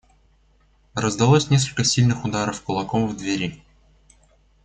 Раздалось несколько сильных ударов кулаком в двери.